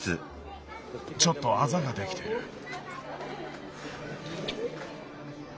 ちょっとアザができてる。